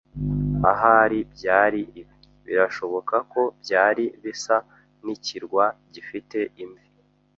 Ahari byari ibi - birashoboka ko byari bisa n'ikirwa, gifite imvi,